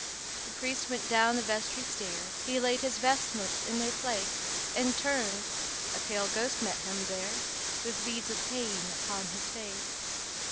The priest went down the vestry stair, He laid his vestments in their place, And turned—a pale ghost met him there, With beads of pain upon his face.